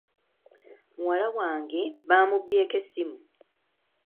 Muwala wange baamubbyeko essimu.